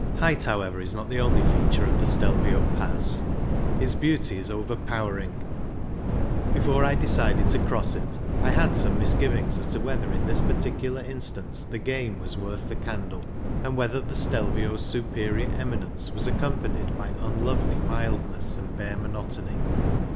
Height, however, is not the only feature of the Stelvio Pass ; its beauty is over powering. Before I decided to cross it I had some misgivings as to whether in this particular instance the game was worth the candle, and whether the Stelvio's superior eminence was accompanied by unlovely wildness and bare monotony.